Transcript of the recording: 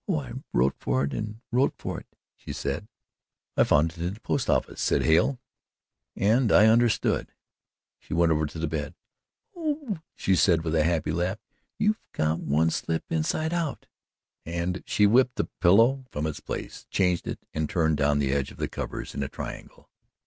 "Oh, I wrote for it and wrote for it," she said. "I found it in the post office," said Hale, "and I understood." She went over to the bed. "Oh," she said with a happy laugh. "You've got one slip inside out," and she whipped the pillow from its place, changed it, and turned down the edge of the covers in a triangle.